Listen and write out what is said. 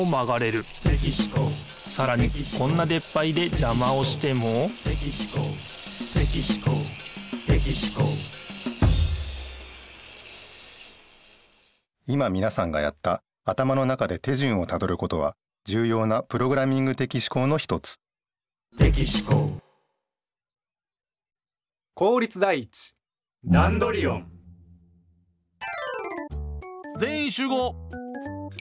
さらにこんなでっぱりでじゃまをしても今みなさんがやった頭の中で手順をたどることはじゅうようなプログラミング的思考の一つぜんいんしゅうごう！